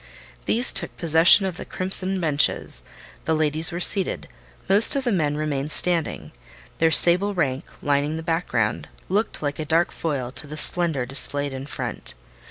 These took possession of the crimson benches; the ladies were seated; most of the men remained standing: their sable rank, lining the background, looked like a dark foil to the splendour displayed in front.